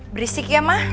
berisik ya ma